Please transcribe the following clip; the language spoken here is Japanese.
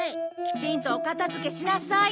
きちんとお片付けしなさい。